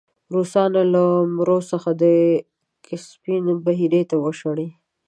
روسان له مرو څخه د کسپین بحیرې ته وشړی.